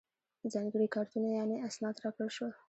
ځانګړي کارتونه یعنې اسناد راکړل شول.